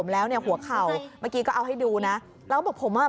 แล้วเนี่ยหัวเข่าเมื่อกี้ก็เอาให้ดูนะแล้วก็บอกผมอ่ะ